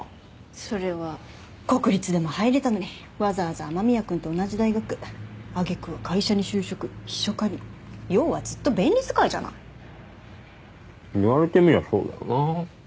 それは国立でも入れたのにわざわざ雨宮君と同じ大学あげくは会社に就職秘書課に要はずっと便利使いじゃない言われてみりゃそうだよな